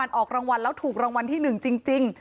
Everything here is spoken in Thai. ไม่ออกรางวัลแล้วถูกรางวัลที่หนึ่งจริง